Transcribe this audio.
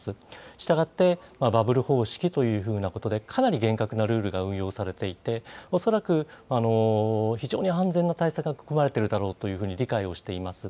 したがって、バブル方式というふうなことで、かなり厳格なルールが運用されていて、恐らく、非常に安全な対策が組まれてるだろうというふうに理解をしています。